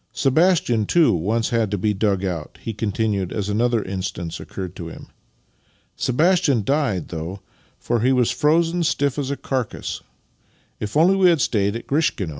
Sebastian, too, once had to be dug out," he continued as another instance occurred to him. " Sebastian died, though, for he was frozen stiff as a carcase. If only we had stayed at Grishkino!